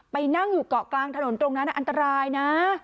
นั่งอยู่เกาะกลางถนนตรงนั้นอันตรายนะ